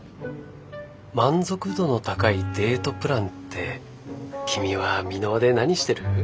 満足度の高いデートプランって君は美ノ和で何してる？